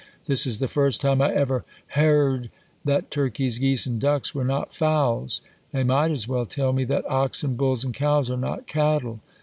This is the first time I ever haird that turkeys, geese, and ducks were not fowls. They might as well tell me, that oxen, bulls, and cows are not cattle.